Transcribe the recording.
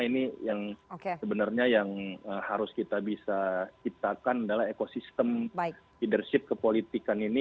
ini yang sebenarnya yang harus kita bisa ciptakan adalah ekosistem leadership kepolitikan ini